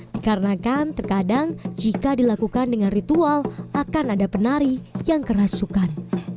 dikarenakan terkadang jika dilakukan dengan ritual akan ada penari yang kerasukan